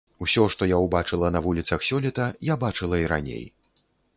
Усё што я ўбачыла на вуліцах сёлета, я бачыла і раней.